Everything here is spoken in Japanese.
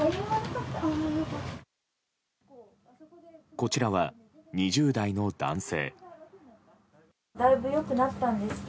こちらは、２０代の男性。